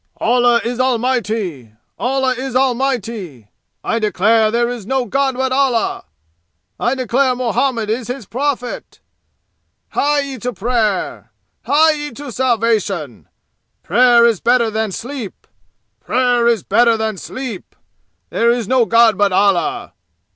Allah is Almighty! Allah is Almighty! I declare there is no God but Allah! I declare Muhammad is his prophet! Hie ye to prayer! Hie ye to salvation! Prayer is better than sleep! Prayer is better than sleep! There is no God but Allah!